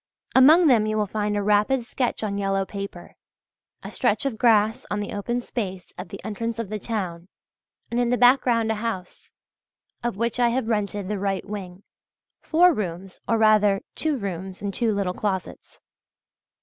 Among them you will find a rapid sketch on yellow paper; a stretch of grass on the open space at the entrance of the town, and in the background a house, of which I have rented the right wing (four rooms, or rather two rooms and two little closets).